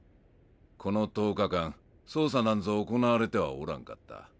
この１０日間捜査なんぞ行われてはおらんかった。